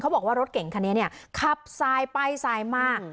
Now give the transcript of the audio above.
เขาบอกว่ารถเก่งค่ะเนี้ยขับทรายไปทรายมาก